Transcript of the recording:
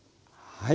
はい。